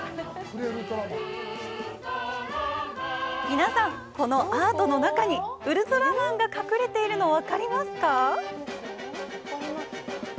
皆さん、このアートの中にウルトラマンが隠れているの、分かりますか？